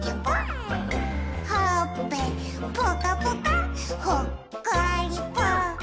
「ほっぺぽかぽかほっこりぽっ」